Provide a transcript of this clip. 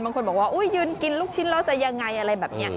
บางคนบอกว่ายืนกินลูกชิ้นแล้วจะยังไงอะไรแบบนี้